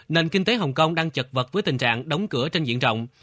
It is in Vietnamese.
nền kinh tế hồng kông đang chật vật với tình trạng đóng cửa trên diện rộng